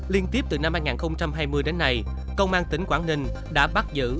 liên tiếp từ năm hai nghìn hai mươi đến nay công an tỉnh quảng ninh đã bắt giữ